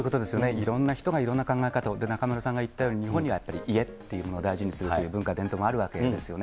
いろんな人がいろんな考え方を、中丸さんが言ったように日本にはやっぱり家っていうものを大事にする文化、伝統があるわけですよね。